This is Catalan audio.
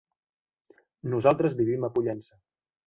Nosaltres vivim a Pollença.